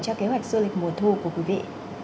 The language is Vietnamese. cho kế hoạch du lịch mùa thu của quý vị